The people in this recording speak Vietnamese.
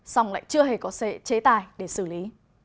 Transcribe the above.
xong lại chưa hề có chế tài để xử lý